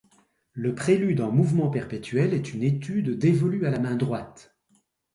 Le prélude en mouvement perpétuel, est une étude dévolue à la main droite.